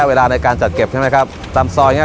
เหมือนอย่างนี้ก็จะไม่แยกแยกอย่างนี้ก็จะไม่แยกหรอกหลอดไฟ